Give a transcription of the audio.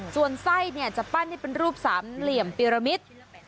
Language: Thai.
ส่วนไส้จะปั้นให้เป็นรูปสามเหลี่ยมปีรมิตร